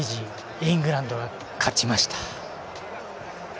イングランドが勝ちました。